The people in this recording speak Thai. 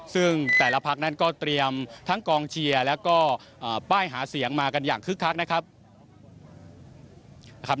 ซึ่งแต่ละพักนั้นก็เตรียมทั้งกองเชียร์แล้วก็ป้ายหาเสียงมากันอย่างคึกคักนะครับ